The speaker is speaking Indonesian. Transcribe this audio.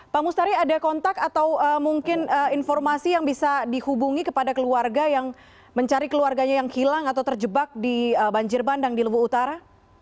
pak mustari ada kontak atau mungkin informasi yang bisa dihubungi kepada keluarga yang mencari keluarganya yang hilang atau terjebak di banjir bandang di lubu utara